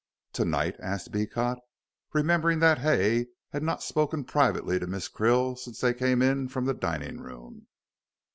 "To night?" asked Beecot, remembering that Hay had not spoken privately to Mrs. Krill since they came in from the dining room.